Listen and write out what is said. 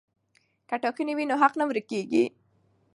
که ټاکنې وي نو حق نه ورک کیږي.